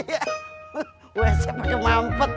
perakan sitisnya ngapa sepuluh beh wc nya mampet gila